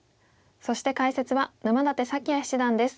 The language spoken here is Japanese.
そして解説は沼舘沙輝哉七段です。